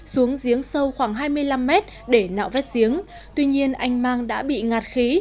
xuống giếng sâu khoảng hai mươi năm mét để nạo vét giếng tuy nhiên anh mang đã bị ngạt khí